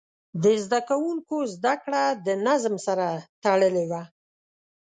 د زده کوونکو زده کړه د نظم سره تړلې وه.